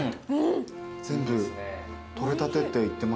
全部取れたてって言ってましたもんね。